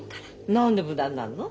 何で無駄になるの？